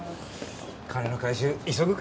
金の回収急ぐか。